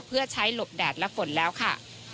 เพื่อใช้หลบแดดและฝนแล้วค่ะ